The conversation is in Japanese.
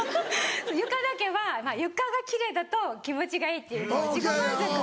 床だけは床が奇麗だと気持ちがいいっていう自己満足。